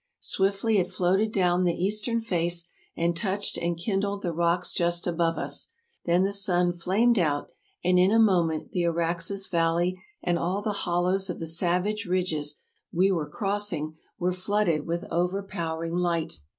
Swiftly it floated down the eastern face, and touched and kindled the rocks just above us. Then the sun flamed out, and in a moment the Araxes valley and all the hollows of the sav age ridges we were crossing were flooded with overpower ing light.